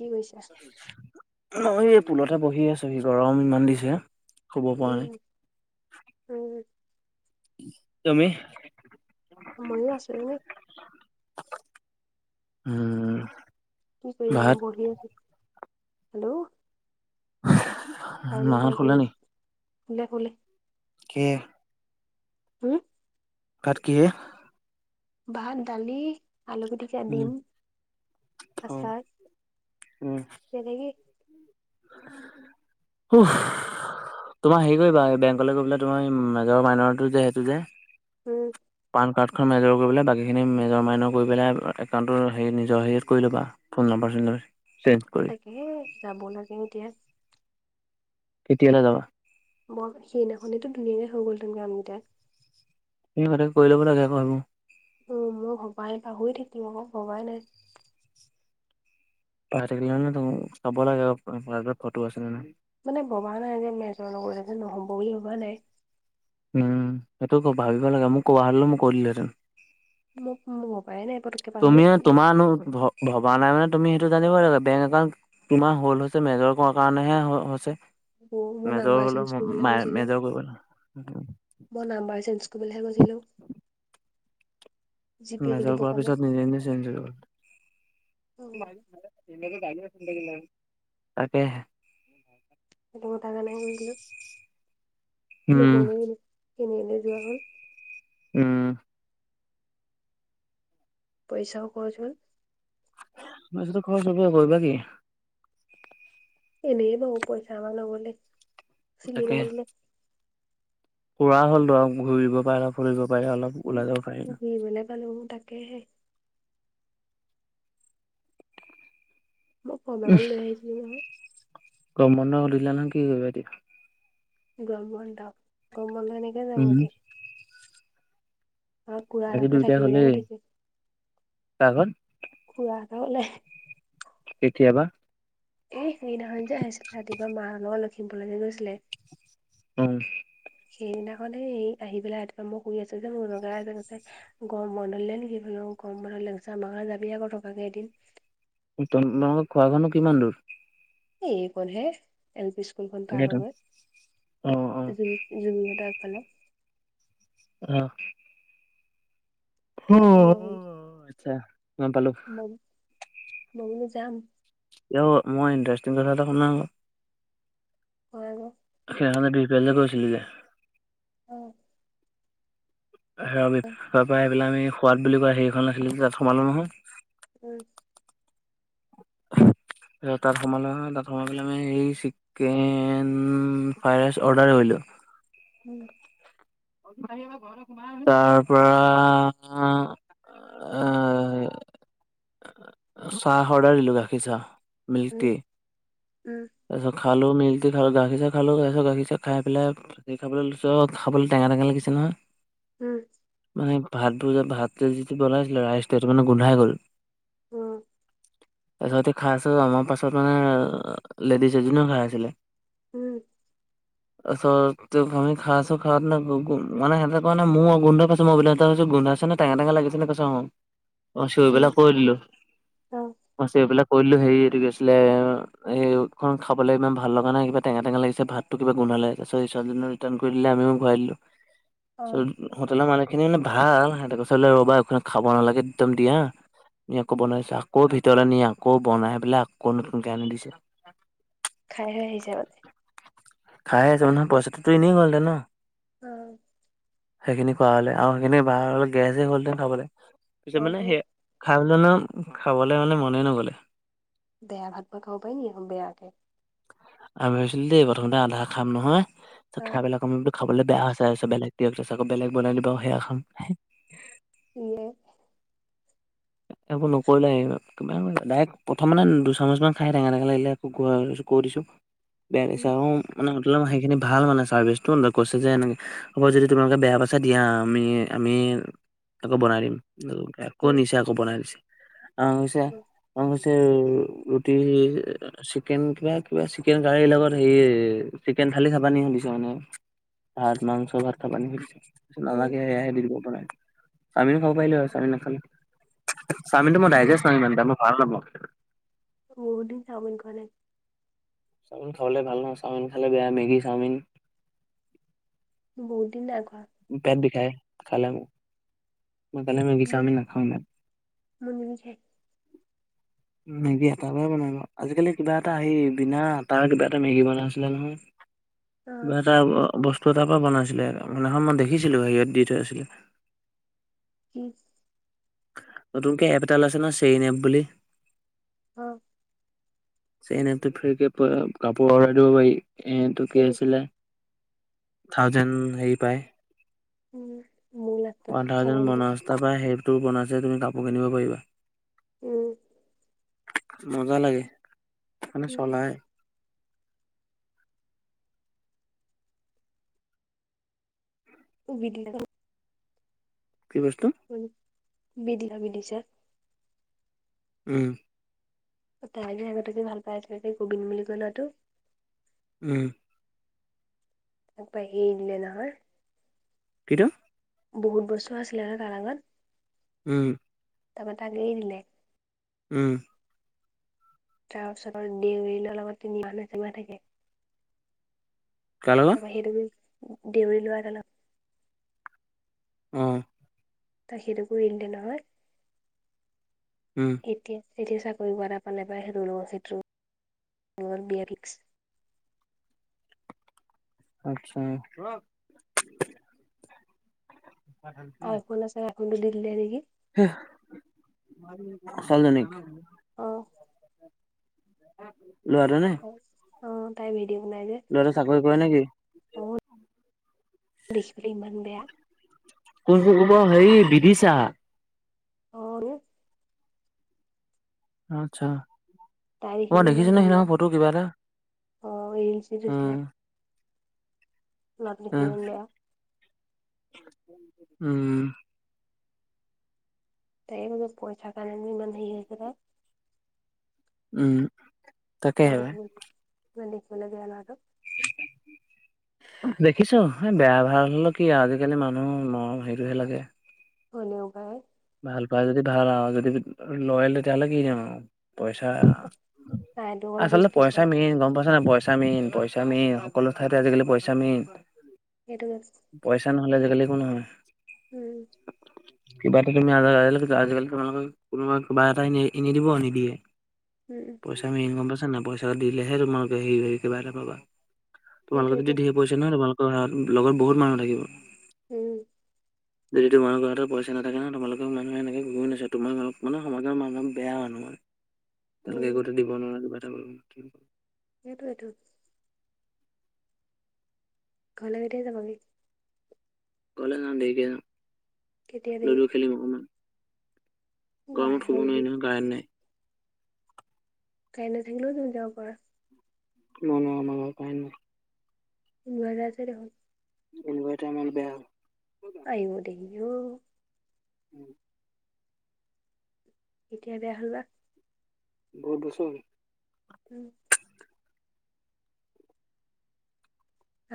কি কৈছা ম‌ই এই পুলতে বহি আছোহি গৰম ইমান দিছে শুব পৰা উম, নাই উম, তুমি ময়ো আছো এনে উম কি কৰিবানো ভাত বহি আছো হেল্ল' খাই মেলি মাহত শুলে আজৰি নেকি শুলে শুলে কি হুম কাট কি ভাত দালি আলুগুটিকা উম। দিম অ', আচাৰ উম। তেনেকে [inaudible] হুহ তোমাৰ হেৰি কৰিবা এই বেংকলৈ গৈ পেলে তোমাৰ মেজৰ মাইনৰটো যে সেইটো যে উম পান কাৰ্ডখন মেজৰ কৰি পেলাই বাকীখিনি মেজৰ মাইনৰ কৰি পেলাই একাউণ্টটোৰ হেৰি নিজৰ হেৰিত কৰি ল'বা ফোন নম্বাৰ পছ নছে তাকে যাব লাগে এতিয়া কেতিয়ালা যাবা বৰ সেইদিনাখনেতো দুই এাই হৈ গ'ল তেনকে আমকেইটাক সি স কৰি ল'ব লাগে আৌো অ মই ভবাই নাই পা শুই থাকিলম মকৌ ভবাই নাই থাকিল চাব লাগে ফটো আছিলে নে মানে ভবা নাই যে মেজৰ লগৰ যে নহ'ব বুলি ভবা নাই উম সেইটো ভাবিব লাগে মোক কব হলে মোক কৰিলহেঁতেন মোক মোৰ পায় নাই পতককে পাহৰি তুমি থাকিলো। তোমাৰনো ভবা নাই মানে তুমি সেইটো জানিব লাগে বেংক একাউট তোমাৰ হল্ হৈছে মেজৰ কৰ কাৰণেহে হৈছে অ, মই মেজা নাম্বাৰ হল চেঞ্জ কৰিবলৈ ম গৈছিলো মেজাও কৰিব মই নাম্বাৰ চেঞ্জ কৰিবলৈহে কৈছিলোঁ নযৰ কোৱাৰ পিছত নিজে নিজে চেঞ্জ তাকে সেইটো কথাকাা নাই বুলি গো উম নহ'লে কি দি এনেলৈৈ যোৱা হ'ল আহ পইচাও কচ মইছত খবৰ চব কৰিবা কি এনেই পাব পইচা ম লাবলে চিলি মাৰিলে খুৰা হ'ল ধ ঘূৰিব পাৰিলা ফ পায় অলপ ওলাই যও প ন ঘুৰিবলৈ পালো তাকেহে মই কম এখন লৈ আহিছিলো নহয় গৰমবন্ধ দিলা নে কি কৰিবা দিবি গম বন্ধ গম বন এনেকে যাম উম আাকি দুইটাই থাকিবলৈ হলেই মাতিছে কা ঘত [unintelligible] কেতিয়াবা এই সিদিনাখন যে আহিছিলে ৰাতিপুৱা মাহ লগত লখিমপুৰলৈকে গৈছিলে উম সেইদিনাখননে আহি পেলাই ৰাতিপুৱা মই শু আছো যে মোৰ লগীয়া এজনি আছে গম বন্ধ দিলে নেকি বোলো কম বাৰ লেংচা মাখৰা যাবি আকৌ থটকাকে এদিন তোমালোকৰ খোৱাখনো কিমান দূৰ এ এই ক নহে এল পি্ স্কুল স্কুলখন পাৰ হৈ তাকেতো গৈ অ অ [unintelligible] অ উম তাৰপৰা উম মই আচছা গম পালো মহনো যাম মই ইটাৰেষ্টিং কথা এটা শুনা কয় আকৌ সেই বেলেগ কৈছিলগে আহ। স পৰা সেইবাই আমি সোৱাদ বুলি কোৱা হেৰিখন আছিলে তাত সোমালো নহয় উ [unintelligible] তাত সোমালো নহয় তাত সোমাই পেলাই ম হ চিকেন ফ্ৰাইড ৰাইচ অৰ্ডাৰ কৰিলোঁ [unintelligible] উম তাৰ পৰা অ চাহ অৰ্ডাৰ দিলোঁ গাখীৰ চাহ মিল্ক টি উম উম তাছত খালো মেলি খালো গাখীৰ চাহ খালো গ গাখীৰ চাহ খাই পেলাই গাখীৰ খাবলৈ লৈছো খাব টেঙা টেঙা লাগিছে নহয় উম মানে ভাতবোৰ যে ভাত তে যিটো বনাইছিলে ৰাইচেইটো মানে গোন্ধাই গ'ল উম। তাৰপিছতে খাই আছো আমাৰ পাছত মানে লেডিজ এজনিও খাই আছিলে উম। তত আমি খাইছো খাত ন মানে সেহতে ক ন মোৰ গোন্ধ পাইছছে মই গোন্ধইছে টেঙা, টঙা লাগিছে নে কৈচো উম চিঞৰিপেলাই কৈ দিলো অ ম চিঞৰিবিলাক কৰিলো হেৰিৰি গৈছিলে এইেই খাবলৈ ইমান ভাল লগা নাই কিবা টেঙা টেঙা লাগিছে ভাতটো কিবা গোন্ধালে ছোৱালীজনীৰ লগত ৰিাটাৰ্ণ কৰি দিলে আমিও ঘূৰাই দিলো। অ হোটেলৰ মানুহ খিনি মানে ভাল সিহঁতেৰ [unintelligible] ৰবা একখন খাব নালাগে একদম দিয়া নি আকৌ বনাইছো আকৌ ভিতৰ নি আকৌ বনাই পেলাই আকৌ নতুনকে আনি দিছে। খাই হে আহিছে মানে খাই আহিছো মানে পইচাটোতো এনেই গ'ল হেতেন ন? অ সেইখিনি খোৱা হলে আৰু সেইখিনি ব হ গেছ হ'লহেতেন খাবলৈ অ পিচত মানে তো সেই খাই জ খাবলৈ মানে মনে নগ'লে বেয়া ভাত বাৰু খাব পাৰি নেকি বেয়াকে আমি ভাবিছিলো দেই প্ৰথমতে আধা খাম নহয় তাৰ পিছত অ খাই পেলাই কম বোলো খাবলৈ বেয়া হৈছে আৰু বেলেগ দিয়ক তাৰপিছত আকৌ বেলেগ বনাই দিব সেয়া খাম ন [unintelligible] একো নকৰিলে ডাইৰেক্ট প্ৰথম মানে দুচামুচমানান খাই টেঙা, টঙা লাগিলে এক কৈ দিছোঁ বেয়া লাগিছে উম আও মানে সেইখিনি ভাল মানে ছাৰ্ভিচটো ন কৈছে যে এনেকৈ হ'ব যদি তোমালোকে বেয়া পইচা দিয়া আমি আমি আকৌ বনাই দিম আকৌ নিছে আকৌ বনাই দিছে অ উম ক অ ৰুটি চিকেন কিবা কিবা চিকেন ক লগত হেই ন থালি খাব নি সুধিছে মানে ভাত মাংস ভাত খাব নি সুধিছে উম নালাগে এইআহে আমিও খাব পাৰিলো হয় চাউল নাখালে চাওমিনটো মোৰ ডাইজেষ্ট নহই ইমান এতা মই ভাল নাপাওঁ। বহদিন চাওমিন খোৱা নাই চাওমিন খাবলে ভাল নহয় চাওমিন খালে বেয়া মেগী চাওমিন বহুত দিন আগত পেট বিখায় খালে মোৰ মই উম তালে মেগী মোৰ চাওমিন নাখাওঁ উ মেগী এটাৰ ব বনাব আজিকালি কিবা এটা আহি বিনা আটাৰ কিবা এটা মেগী বনাই আছিলে নহয় অ মটা বস্ত তাৰ পৰা বনাইছিলে সিদিনাখন মই দেখিছিলো হেৰিয়ত দি থৈ থৈছিল উম নতুনকৈ এপ এটা ওলাইছে নহৈ চেইইন এপ বুলি আহ চেইন এপ টোত ফ্ৰী কে কাপোৰ অৰ্ডাৰ দিব পাৰি এটো কি সেইটো আছিলে থাউজেণ্ড হেৰি পায় উম মোৰ লাষ্টত পন্ধাজন চাওমিনটো বনস্থা বা সেই তোৰ বনাইছে তুমি কাপোৰ কিনিব পাৰিবা উম মজা লাগে মানে চলাই বি কি বছ্ত বিদিলা বিদিছে উম তাইে আগতকে ভাল পাই তে গোবিন্দ বুলি কৈ লোৱাটো উম পাইে ইলে ন কটায়া বহুত বস্তু আছিলে ন কাৰাৰ আগত উম ত ম ত আ গ নিলে উম তাৰ ওচৰৰ ডউৰিনৰ লগত তিনি মানুহ জমা থাকে কাৰ লগত তাৰপৰা সেইটোোক দেউৰ লোৱাৰ ত অলপ আহ তই সেইটো কৰিো এন দেে নহয় উম এতিয়া এতিয়া চাকৰি কৰা পালে পৰাাই হেৰু লো সেইটো বিয়া ফিক্স আত্ছা আইফোন আছে আইফোনটোুলি দিলে নেকি সালজনক আহ লাৰে নে অ তাই ভেট দেউ নাই যে ল'ৰাটো চাকৰি কৰে নেকি? অ দেখবলে ইমান বয়া কোনচোন ক'ব হেৰি বিধছা অ আচ্ছা তাই দেখি অ পেলাই ইমান দেখিছো নে ধুনীয়া সিদিখন ফটো কিবা এটা। অ' এজেঞ্চিটোছলে উম ন তেিনখ উম এয়া [unintelligible] উম, তাইক পইচা [unintelligible] উম তাকেহে পাই নন্দেকলাগান আত [unintelligible] দেখিছো এই বেয়া ভাল হলেও কি আজিকালি মানুহ মৰম হেৰিটোহে লাগে। হলেও পাই। ভাল পাই যদি ভাল আৰু যদি লয়লে তেতিয়াহ'লে কি যাম আৰু। পইচা তাইতো অকল আচলতে বস্তু পইচা চাই মেইন গম পাইছ ন পইচা। পইচামেইণ-পইচামেইন সকলো ঠাইতে আজিকালি পইচামেইন। সেইটোৱে। তেনেহলে আজিকালি একো নহয়। উম, কিবা এটা তুমি আ আজিকালি তোমালোকে কোনোবা কিবা এটা এ নিদিব নিদিয়ে। উম পইচা আমি ইনকম পাইছা নাই পইচা দিলেহে তোমালোকে হে কিবা এটাপাবা। তোমালোকৰ যদি সেইটোৱেটো ধেই পইছো নহয় তোমালোকৰ লগত বহুত মানুহ থাকিব। উম, যদিহ তোমাৰ হাতত পইচা নাথকে, সেইকাৰণে তোমালোকৰ মানুহে এনেকৈ গৈ নাছে তোমাৰ অলপানে সমাজৰ মান অপ বেয়া মানুহ মই উম তেওঁলোকে একোতে দিব নোৱাৰাৰে কিব এটা কৰিব। সেইটোৱেটো ঘৰলে কেতিয়া যাব গে। ক'লে যাওঁ দেৰিকে য কেতিয়া দেৰি লুডু খেলিম অকমান ৱাই গৰমত শুব হ'ল নোৱাৰি নহয় কাৰেণ্ট নাই। কাৰেণ্ট নাথাকিলেও তুমি যাব পৰা। মই নোৱাৰোঁ আমাৰ ঘৰত কাৰেণ্ট নাই। ইনভাৰ্টাৰ আছে দেখোন। ইনভাৰটাৰ আমাৰ বেয়া হল। আয়ো দেহিঔ। উম কেতিয়া বেয়া হ'ল বা। বহুত বছৰহল উম,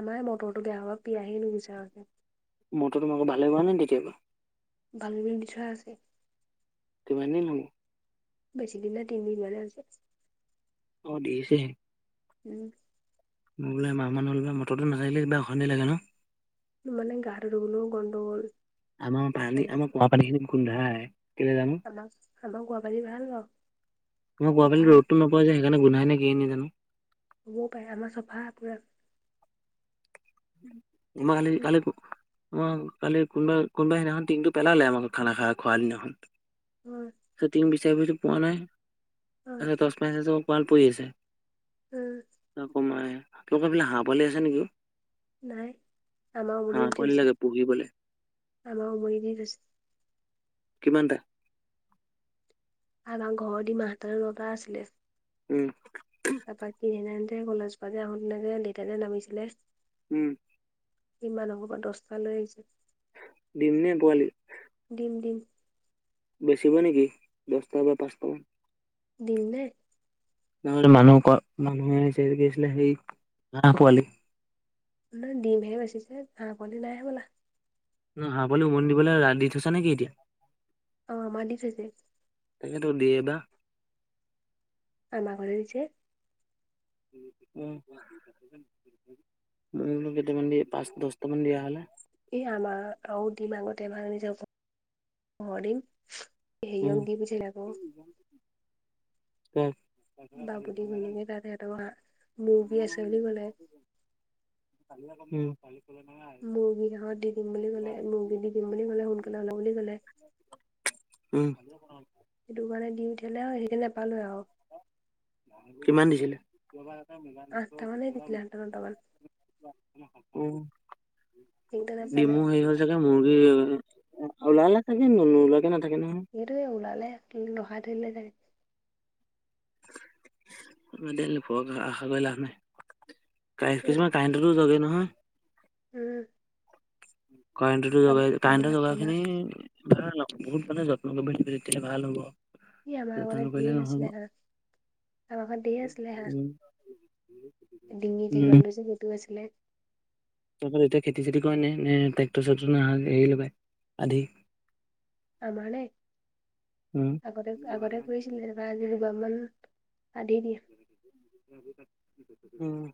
আমাৰ মটৰটো বেয়া হব পিয়াহে নুগুছে আৰু। মটৰটো মাক ভালে হোৱা নাই তেতিয়াবা। ভাল বুলি বিষয় আছে। কিমান দিন হল। বেছি দিন নাই তিনদিনমান হে হৈছে। অ' দিছেহে। উম, মই বোলে মমাহ মানুহ হ'ল মৰটো নাচাকিলে কিবা অশান্তি লাগে ন। মানে গা ৰ গলো গণ্ডগোল। আমাৰ পানী আমাৰ কুঁৱ পানী খিনি গোন্ধাই কেলে জানো। আমাক আমাৰ কোৱা পানী ভাল বাৰু তোমাৰ কোৱা পানী চফা ৰ'দটো নাপায় যে সেইকাৰণে গোন্ধাই নে কিয়ে নেজানো। হ'বও পাৰে, আমাৰ চফা পুৰা। [unintelligible] আমাৰ কালি কোনবা কোনবা সেইদিনাখন টিনটো পেলালে আমাৰ ঘৰত খানা খা খোৱা দিনাখন। তাৰ টিং বিচাৰি ফুৰিছো পোৱা নাই, তাৰপাছত টৰ্চ মাৰি চাইছে কোৱাত পৰি আছে। কমাই তোমালোকৰ ফালে হাঁহ পোৱালি আছে নেকি? নাই, আমাৰ উমনি হাঁহ দি পোৱালি দিছে লাগে পুহিবলে আমাৰ উমনি দি থৈছে। কিমান টা আমাৰ ঘৰৰ দিমা সাতাৱন্নতা আছিলে। উম। তাৰাপা কিনােতে কলেজৰ পা যে আহো তেনেকে দেউতা নামিছিলে। উম। ইমান হব পৰা দছটা লৈ আহিছে। দিম নে পোৱালি? দিম দিম বেছিব নেকি? দচটা বা পাঁচটা মান। ডিমনে মানুহ মানুহে হে কি আছিলে সেই হাঁহ পোৱালি। নহয় ডিমহে বেচিছে হাঁহ পোৱালি নাই হবলা। ন হাঁহ পোৱালি উমনি দিবলৈ দি থৈছা নেকি এতিয়া। অ, বান্ধিছে এতিয়া। তাকেতো দেতা আমাক দিছে। উম। মোৰো কেইটামান দি পাঁচ দছটামান দিয়া হ'লে। এই আমাৰ আৰু দিম আগতে ভাগিছে হাহ দিম। হেৰিয়া দি পঠিয়ালে আক। উম। [unintelligible] উম। মুৰ্গী হাঁহত দি দিম বুলি ক'লে মুৰ্গী দি দিম বুলি ক'লে সোনকালে ওলাব বুলি ক'লে [unintelligible] উম। সেইটো কাৰণে দি পঠিয়ালে সেইকাৰণে নাপালো আৰু। কিমান দিছিলে? আঠটা মানে দিছিলে আঠটা নটা মান উম, সেইকেইটা নাপালে ডিমু হেৰি হ'ল চাগে মুৰ্গীৰ। [unintelligible] সেইটোৱে উলালে ৰখায় থৈ দিলে চাগে। মানে এনে ঘৰক আশা কৰি লাভ নাই। এইটো কিছুমান কাৰেন্টটো জলে নহয়। উম। কাৰেণ্টটো আম জলে কাৰেণ্টৰ আমাৰ জলা আমাৰ খিনি ভাল হব বহুত মানে যত্ন কৰিব তেতিয়ালে ভাল হ'ব। ই আমাৰ আগতে যত্ন নকৰিলে ধেৰ আছিলে নহব, হাঁহ আমাৰ ঘৰত ধেৰ আছিলে হাঁহ উম। ডিঙি দীঘল যে সেইটো আছিলে। তহতৰ এতিয়া খেতি চেতি কৰে নাই নে ট্ৰেক্টৰ চ্ৰেকটৰ নাই হেৰি লগাই আদি। আমাৰ নে উম। আগতে আগতে কৰিছিলে এবাৰ আজি [unintelligible] উম।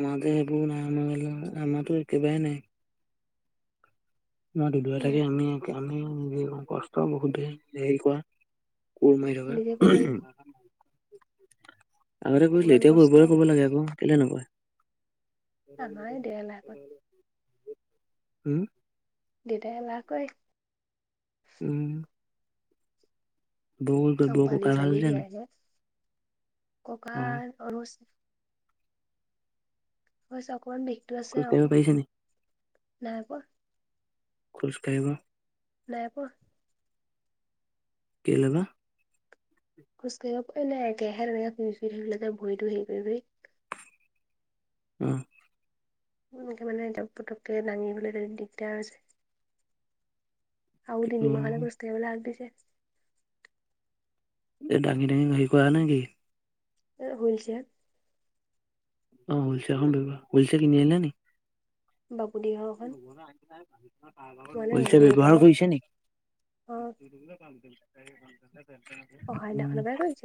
আমাৰ যে সেইবোৰ নাই আমাৰ আমাৰতো একেবাৰে নাই। মই দুদে কি নাই থাকে আমি আমি নিজে কষ্ট বহুত হেৰি কৰা। কোৰ মাৰি নিজে কৰিব লাগে থকা। আগতে কৰিছিলো অকমান এতিয়া কষ্ট কৰিবলৈ ক'ব লাগে আকৌ কেনে নকয় আমাৰে ডেৰ লাখ হম। দেতাই [unintelligible] উম। বৌ অ পানী [unintelligible] ককা অ', আৰুচ [unintelligible] হৈছে অকমান বিষটো আছে খোজ কাঢ়িব পাৰিছে নি? আৰু [unintelligible] খোজকাঢ়িব নাই পো কেলেবা, খোজ ককাঢ়িব [unintelligible] উম, এনেকে মানে এ পুটককে দাঙিবলৈ দিগদাৰ হৈছে। আৰু তিনিমাহলৈ আালে খোজকাঢ়িব লৈ হাগ দিছে দাঙি, দাঙি হি কৰা নেকি এ হুইলচিয়াৰ অ, ' হুইলচেয়াৰ কিনি আনিলানি ড [unintelligible] [inaudible] মানে বল দেউতাই ব্যৱহাৰ কৰিছে অ নেকি? অহা ক উম দিনাখনৰ পৰাই [unintelligible] কৰিছে